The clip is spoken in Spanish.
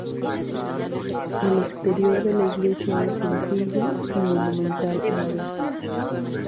El exterior de la iglesia es sencillo y monumental a la vez.